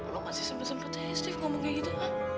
lo masih sempet sempet aja ngomong kayak gitu